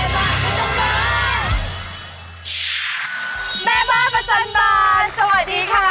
ออมทะเทเซาใจพูดสวัสดีค่ะ